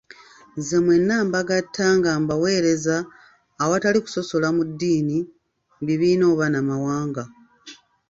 Nze mwenna mbagatta nga mbaweereza awatali kusosola mu ddiini, bibiina n'amawanga.